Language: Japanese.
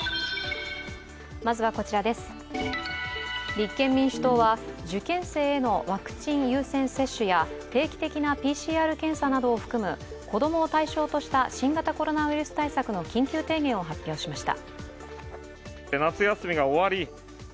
立憲民主党は受験生へのワクチン優先接種や定期的なＰＣＲ検査などを含む子供を対象とした新型コロナウイルス対策の緊急提言を発表しました。